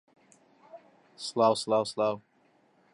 ئەوە نەریتێکی کۆنی کەنەدییە.